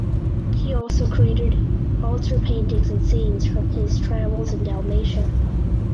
He also created altar paintings and scenes from his travels in Dalmatia.